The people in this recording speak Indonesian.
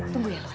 tunggu ya laura